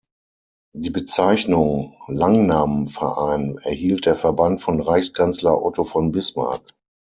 Die Bezeichnung "Langnam-Verein" erhielt der Verband von Reichskanzler Otto von Bismarck.